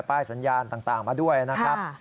ป้ายสัญญาณต่างมาด้วยนะครับ